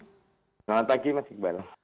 selamat pagi mas iqbal